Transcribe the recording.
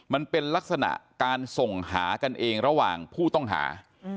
มันเป็นลักษณะการส่งหากันเองระหว่างผู้ต้องหา